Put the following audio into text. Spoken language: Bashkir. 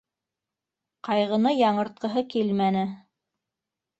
Ҡайғыны яңыртҡыһы килмәне.